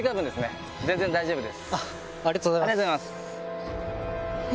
ありがとうございます。